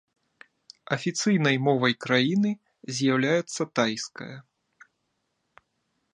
Афіцыйнай мовай краіны з'яўляецца тайская.